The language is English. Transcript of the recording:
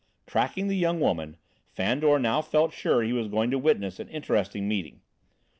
Tracking the young woman, Fandor now felt sure he was going to witness an interesting meeting.